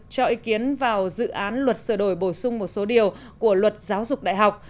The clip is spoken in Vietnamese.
cho ý kiến vào dự án luật sửa đổi bổ sung một số điều của luật giáo dục đại học